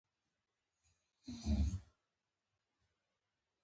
په دې چې په شپو شپو مې ځان نه و پرېښی.